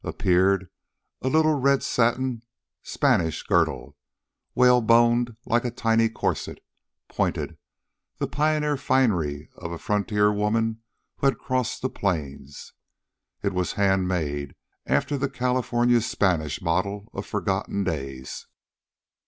Appeared a little red satin Spanish girdle, whale boned like a tiny corset, pointed, the pioneer finery of a frontier woman who had crossed the plains. It was hand made after the California Spanish model of forgotten days.